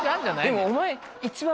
でもお前。